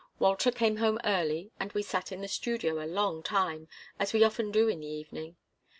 Walter came home early, and we sat in the studio a long time, as we often do in the evening.